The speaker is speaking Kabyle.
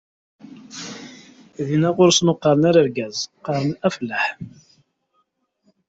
Dinna ɣer-sen ur qqaren ara argaz, qqaren afellaḥ.